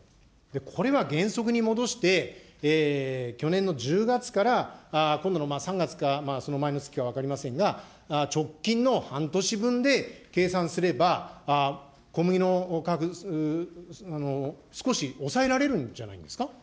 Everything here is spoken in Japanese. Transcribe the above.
これは原則に戻して、去年の１０月から今度の３月か、その前の月か分かりませんが、直近の半年分で計算すれば、小麦の価格、少し抑えられるんじゃないですか。